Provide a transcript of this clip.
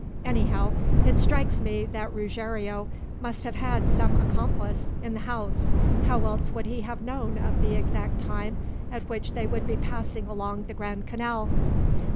Anyhow, it strikes me that Ruggiero must have had some accomplice in the house. How else could he have known of the exact time at which they would be passing along the Grand Canal?